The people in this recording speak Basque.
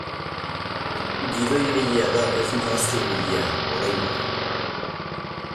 Gidoigilea da ez marrazkigilea, oraingoz.